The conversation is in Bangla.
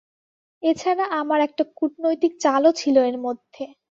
এছাড়া আমার একটা কুটনৈতিক চালও ছিল এর মধ্যে।